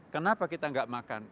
kenapa kita tidak makan